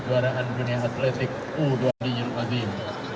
karena beliau masih